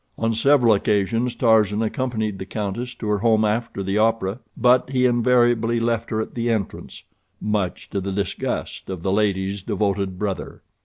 On several occasions Tarzan accompanied the countess to her home after the opera, but he invariably left her at the entrance—much to the disgust of the lady's devoted brother.